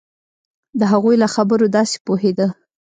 د هغوی له خبرو داسې پوهېده.